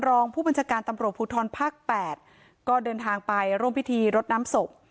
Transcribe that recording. รองผู้บัญชาการตำรวจภูทรภาค๘ก็เดินทางไปร่วมพิธีรดน้ำศพ